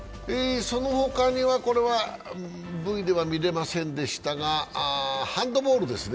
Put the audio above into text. そのほかには、これはＶでは見れませんでしたがハンドボールですね。